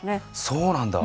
そうなんだ。